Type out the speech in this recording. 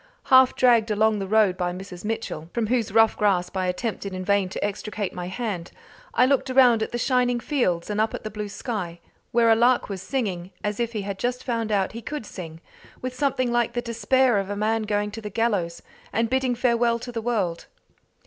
Half dragged along the road by Mrs. Mitchell, from whose rough grasp I attempted in vain to extricate my hand, I looked around at the shining fields and up at the blue sky, where a lark was singing as if he had just found out that he could sing, with something like the despair of a man going to the gallows and bidding farewell to the world.